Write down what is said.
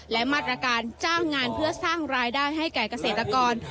และมาตรการจ้างงานเพื่อสร้างรายได้ให้แก่เกษตรกร